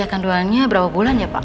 usiakan dualnya berapa bulan ya pak